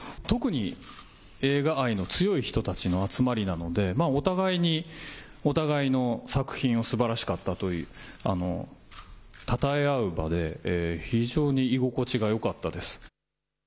特に映画愛の強い人たちの集まりなのでお互いにお互いの作品がすばらしかったというたたえ合う場で非常に居心地がよかったです。